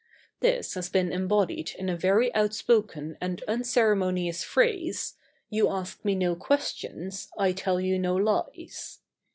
This has been embodied in a very outspoken and unceremonious phrase "you ask me no questions, I tell you no lies."